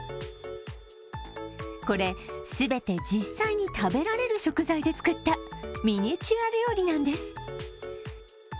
これ、全て実際に食べられる食材で作ったミニチュア料理なんです。